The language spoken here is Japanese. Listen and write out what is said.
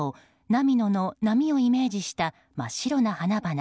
波野の波をイメージした真っ白な花々